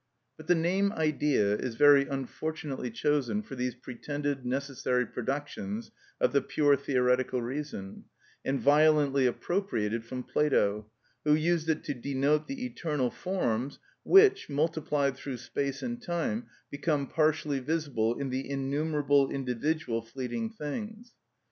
But the name "Idea" is very unfortunately chosen for these pretended necessary productions of the pure theoretical reason, and violently appropriated from Plato, who used it to denote the eternal forms which, multiplied through space and time, become partially visible in the innumerable individual fleeting things.